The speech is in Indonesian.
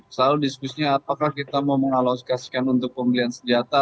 selalu diskusinya apakah kita mau mengalokasikan untuk pemilihan sejahtera